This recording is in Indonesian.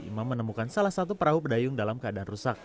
imam menemukan salah satu perahu pedayung dalam keadaan rusak